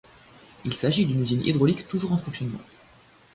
Il s'agit d'une usine hydraulique toujours en fonctionnement.